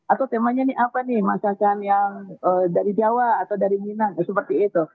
atau temanya nih apa nih masakan yang dari jawa atau dari minang seperti itu